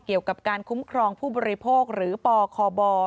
เกี่ยวกับการคุ้มครองผู้บริโภคหรือปคบ